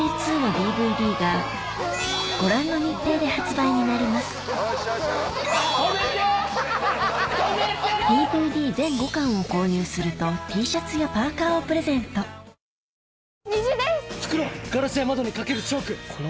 ＤＶＤ全５巻を購入するとＴシャツやパーカーをプレゼントえっ！！